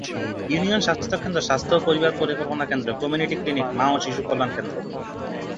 Union স্বাস্থ্যকেন্দ্র, স্বাস্থ্য ও পরিবার পরিকল্পনা কেন্দ্র, কমিউনিটি ক্লিনিক, মা ও শিশু কল্যাণ কেন্দ্র,।